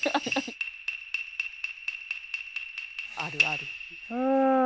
あるある。